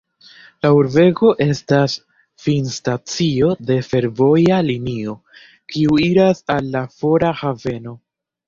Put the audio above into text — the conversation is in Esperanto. La urbego estas finstacio de fervoja linio, kiu iras al la fora haveno.